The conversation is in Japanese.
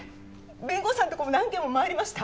弁護士さんとこも何軒も回りました。